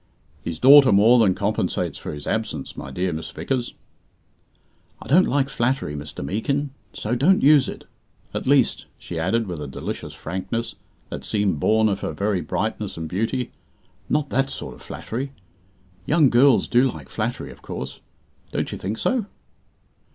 "His daughter more than compensates for his absence, my dear Miss Vickers." "I don't like flattery, Mr. Meekin, so don't use it. At least," she added, with a delicious frankness, that seemed born of her very brightness and beauty, "not that sort of flattery. Young girls do like flattery, of course. Don't you think so?"